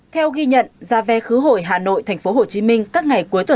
theo ghi nhận giá vé khứ hội hà nội tp hcm các ngày cuối tuần